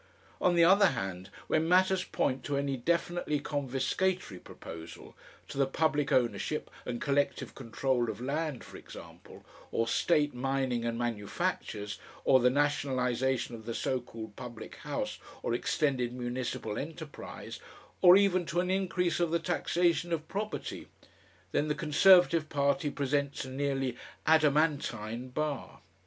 On the other hand, when matters point to any definitely confiscatory proposal, to the public ownership and collective control of land, for example, or state mining and manufactures, or the nationalisation of the so called public house or extended municipal enterprise, or even to an increase of the taxation of property, then the Conservative Party presents a nearly adamantine bar.